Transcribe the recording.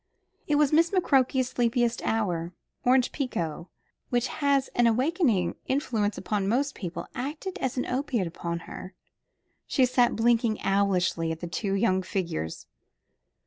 It was Miss McCroke's sleepiest hour. Orange pekoe, which has an awakening influence upon most people, acted as an opiate upon her. She sat blinking owlishly at the two young figures.